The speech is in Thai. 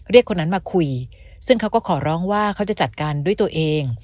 คนนั้นมาคุยซึ่งเขาก็ขอร้องว่าเขาจะจัดการด้วยตัวเอง